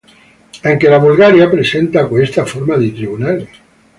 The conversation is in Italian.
Anche la Bulgaria presenta questa forma di tribunali.